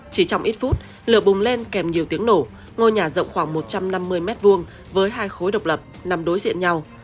chỉ trong ít phút lửa bùng lên kèm nhiều tiếng nổ ngôi nhà rộng khoảng một trăm năm mươi m hai với hai khối độc lập nằm đối diện nhau